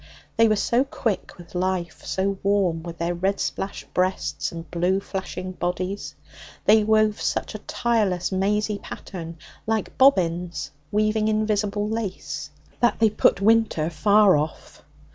They were so quick with life, so warm, with their red splashed breasts and blue flashing bodies; they wove such a tireless, mazy pattern, like bobbins weaving invisible lace, that they put winter far off.